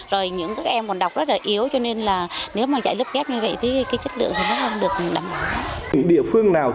rồi những các em còn đọc rất là yếu cho nên là nếu mà dạy lớp ghép như vậy thì cái chất lượng thì nó không được đảm bảo